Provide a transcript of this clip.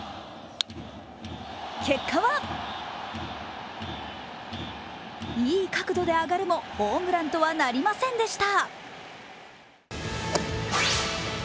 結果は、いい角度で上がるもホームランとはなりませんでした。